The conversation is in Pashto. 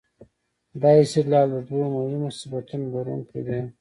دا استدلال د دوو مهمو صفتونو لرونکی دی.